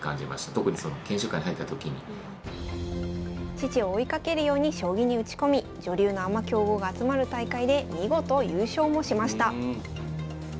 父を追いかけるように将棋に打ち込み女流のアマ強豪が集まる大会で見事優勝もしました。